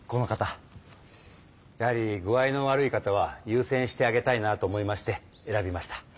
やはり具合の悪い方はゆうせんしてあげたいなと思いまして選びました。